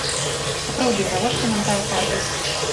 Сапраўды, навошта нам тая фарба?